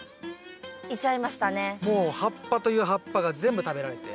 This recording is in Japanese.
もう葉っぱという葉っぱが全部食べられて。